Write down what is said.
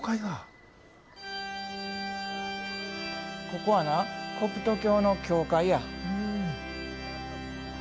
ここはなコプト教の教会や。